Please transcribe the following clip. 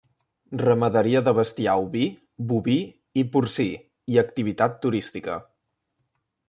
Ramaderia de bestiar oví, boví i porcí i activitat turística.